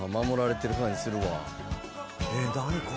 守られてる感じするわ。